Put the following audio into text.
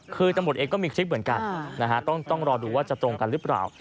คือตำรวจเองก็มีคลิปเหมือนกันต้องรอดูว่าจะตรงกันหรือเปล่า